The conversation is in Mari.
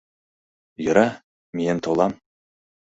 — Йӧра, миен толам.